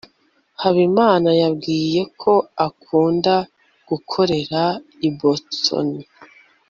habimana yambwiye ko akunda gukorera i boston